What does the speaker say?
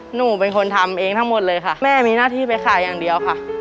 หนูเป็นคนทำเองทั้งหมดเลยค่ะแม่มีหน้าที่ไปขายอย่างเดียวค่ะ